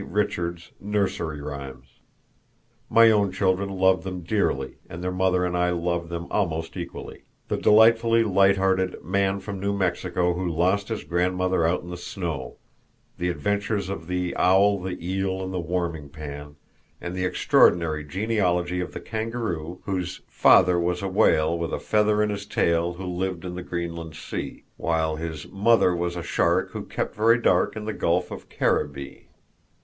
Richard's "Nursery Rhymes." My own children loved them dearly, and their mother and I loved them almost equally; the delightfully light hearted "Man from New Mexico who Lost his Grandmother out in the Snow," the adventures of "The Owl, the Eel, and the Warming Pan," and the extraordinary genealogy of the kangaroo whose "father was a whale with a feather in his tail who lived in the Greenland sea," while "his mother was a shark who kept very dark in the Gulf of Caribee."